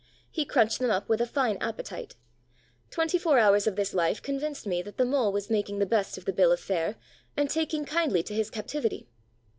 He crunched them up with a fine appetite. Twenty four hours of this life convinced me that the Mole was making the best of the bill of fare and taking kindly to his captivity.